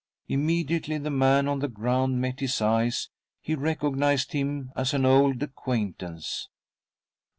Immediately the man on the ground met his eyes he recognised him as an old acquaintance.